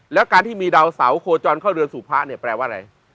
แล้วการที่มีดาวเสาโคจรเข้าเรือนสู่พระเนี่ยแปลว่าอะไร